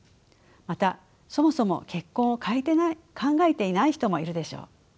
またそもそも結婚を考えていない人もいるでしょう。